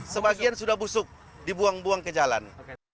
sebagian sudah busuk dibuang buang ke jalan